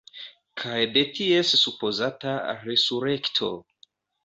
Kaj de ties supozata resurekto.